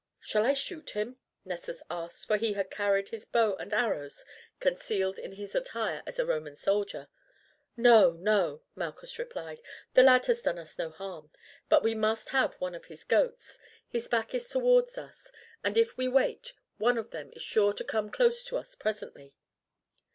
"Shall I shoot him?" Nessus asked, for he had carried his bow and arrows concealed in his attire as a Roman soldier. "No, no," Malchus replied, "the lad has done us no harm; but we must have one of his goats. His back is towards us, and, if we wait, one of them is sure to come close to us presently."